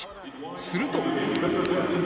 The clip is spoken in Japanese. すると。